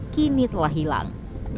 kini telah hilang